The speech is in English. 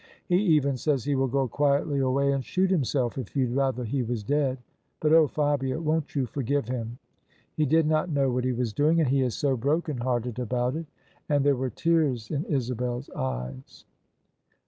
He even says he will go quietly away and shoot himself if you'd rather he was dead. But, oh Fabia! won't you forgive him? He did not know what he was doing, and he is so broken hearted about it." And there were tears in Isabel's eyes.